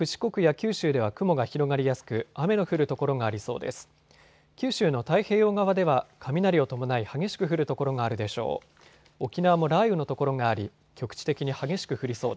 九州の太平洋側では雷を伴い激しく降る所があるでしょう。